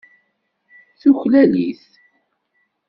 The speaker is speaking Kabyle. Tuklal-it.